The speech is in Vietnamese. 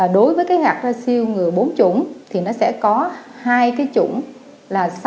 đối với cái gạt ra siêu ngừa bốn chủng thì nó sẽ có hai cái chủng là sáu